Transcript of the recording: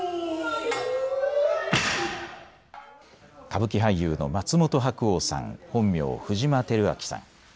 歌舞伎俳優の松本白鸚さん、本名・藤間昭曉さん。